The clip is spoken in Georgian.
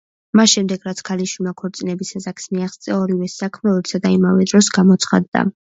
მას შემდეგ რაც ქალიშვილმა ქორწინების ასაკს მიაღწია, ორივე საქმრო ერთსა და იმავე დროს გამოცხადდა.